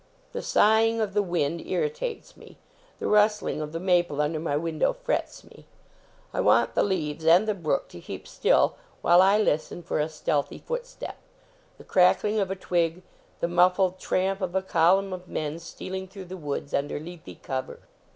The sigh ing of the wind irritates me ; the rustling of the maple under my window frets me. I want the leaves and the brook to keep still while I listen for a stealthy footstep; the crackling of a twig; the muffled tramp of a column of men stealing through the woods under leafy cover.